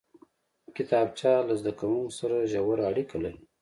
کتابچه له زده کوونکي سره ژوره اړیکه لري